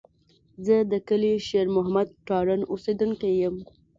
زه د کلي شېر محمد تارڼ اوسېدونکی یم.